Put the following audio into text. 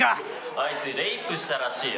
あいつレイプしたらしいよ。